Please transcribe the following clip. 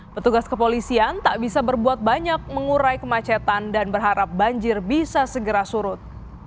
petugas kepolisian tak bisa berbuat banyak mengurai kemacetan dan berharap banjir bisa segera surut